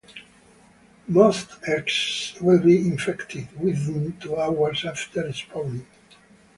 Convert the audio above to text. Most eggs will be infected within two hours after spawning.